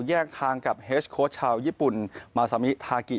แยกทางกับเฮสโค้ชชาวญี่ปุ่นมาซามิทากิ